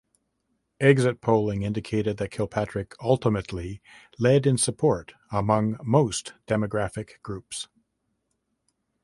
Exit polling indicated that Kilpatrick ultimately led in support among most demographic groups.